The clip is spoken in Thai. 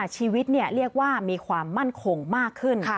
ชีวิตเรียกว่ามีความมั่นคงมากขึ้น